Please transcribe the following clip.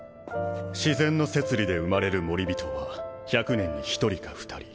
自然の摂理で生まれるモリビトは１００年に１人か２人。